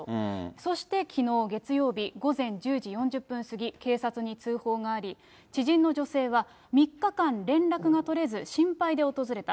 そしてきのう月曜日午前１０時４０分過ぎ、警察に通報があり、知人の女性が３日間連絡が取れず、心配で訪れた。